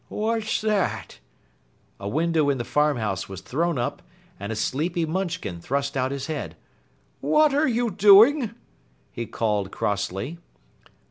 "What's that?" A window in the farmhouse was thrown up, and a sleepy Munchkin thrust out his head. "What are you doing?" he called crossly.